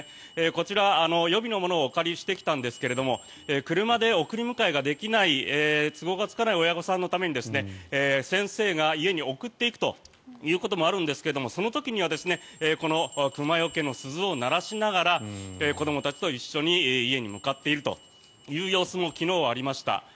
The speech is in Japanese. こちら、予備のものをお借りしてきたんですが車で送り迎えができない都合がつかない親御さんのために先生が家に送っていくということもあるんですけれどもその時にはこの熊よけの鈴を鳴らしながら子どもたちと一緒に家に向かっているという様子も昨日はありました。